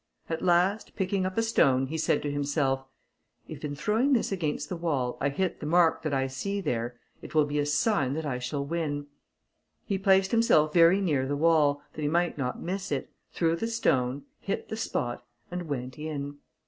At last, picking up a stone, he said to himself, "If in throwing this against the wall, I hit the mark that I see there, it will be a sign that I shall win!" He placed himself very near the wall, that he might not miss it, threw the stone, hit the spot, and went in.